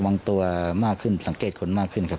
วางตัวมากขึ้นสังเกตคนมากขึ้นครับ